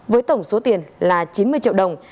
với tổng số tiền là chín mươi triệu đồng